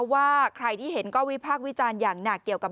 ว่าใครที่เห็นก็วิพากษ์วิจารณ์อย่างหนักเกี่ยวกับ